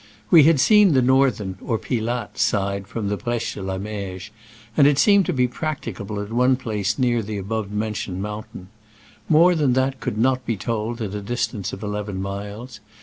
We had seen the northern (or Pilatte) side from the Br^che de la Meije, and it seemed to be practi cable at one place near the above men tioned mountain. More than that could not be told at a distance of eleven miles.